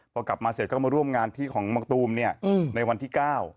พอกลับมาเสร็จก็มาร่วมงานที่ของมะตูมเนี่ยในวันที่๙